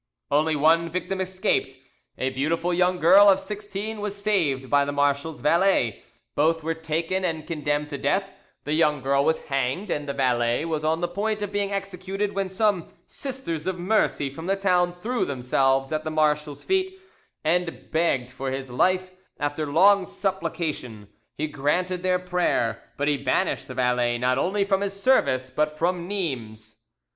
Only one victim escaped. A beautiful young girl of sixteen was saved by the marshal's valet: both were taken and condemned to death; the young girl was hanged, and the valet was on the point of being executed when some Sisters of Mercy from the town threw themselves at the marshal's feet end begged for his life: after long supplication, he granted their prayer, but he banished the valet not only from his service, but from Nimes.